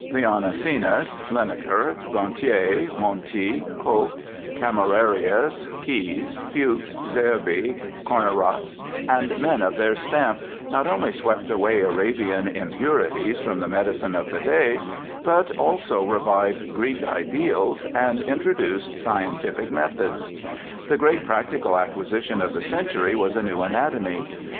Leonicenus, Linacre, Gonthier, Monti, Koch, Camerarius, Caius, Fuchs, Zerbi, Cornarus, and men of their stamp not only swept away Arabian impurities from the medicine of HARVEY 303 the day, but also revived Greek ideals and introduced scientific methods. The great practical acquisition of the century was a new anatomy.